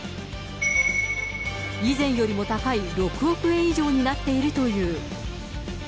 以前よりも高い６億円以上になっているという。